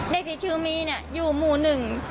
เด็กที่ชื่อมีเนี่ยอยู่หมู่หนึ่ง